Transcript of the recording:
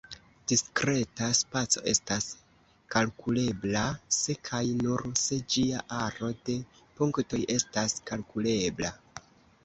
Diskreta spaco estas kalkulebla se kaj nur se ĝia aro de punktoj estas kalkulebla.